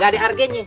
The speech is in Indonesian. gak ada harganya